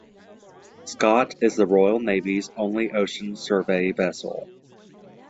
"Scott" is the Royal Navy's only ocean survey vessel.